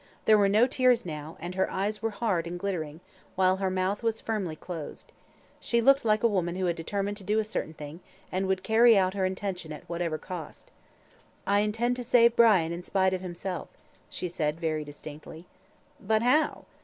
There were no tears now, and her eyes were hard and glittering, while her mouth was firmly closed. She looked like a woman who had determined to do a certain thing, and would carry out her intention at whatever cost. "I intend to save Brian in spite of himself," she said, very distinctly. "But how?"